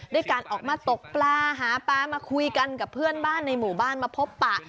ด้วยการออกมาตกปลาหาปลามาคุยกันกับเพื่อนบ้านในหมู่บ้านมาพบปะ